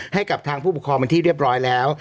ให้กับทางผู้ปกครองเป็นที่เรียบร้อยแล้ว